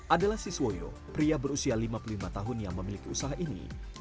adalah siswoyo pria berusia lima puluh lima tahun yang memiliki usaha ini